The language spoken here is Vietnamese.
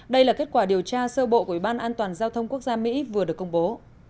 đây là kết quả điều tra sơ bộ của ủy ban an toàn giao thông quốc gia mỹ vừa được công bố